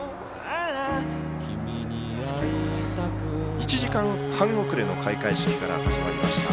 １時間半遅れの開会式から始まりました。